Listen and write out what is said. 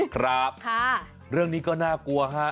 ครับเรื่องนี้ก็น่ากลัวฮะ